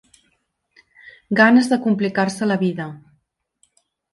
Ganes de complicar-se la vida.